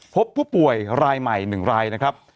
พบผู้ป่วยรายใหม่๑รายนะครับ